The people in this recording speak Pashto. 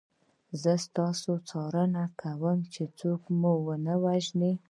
زه ستاسو څارنه کوم چې څوک مو ونه وژني